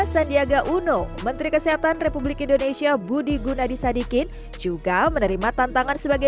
sandiaga uno menteri kesehatan republik indonesia budi gunadisadikin juga menerima tantangan sebagai